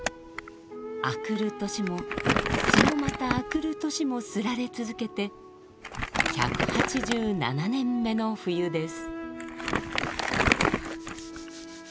明くる年もそのまた明くる年も刷られ続けて１８７年目の冬です。